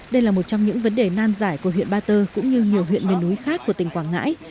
đây là một trong những vấn đề nan giải của huyện ba tơ cũng như nhiều huyện miền núi khác của tỉnh quảng ngãi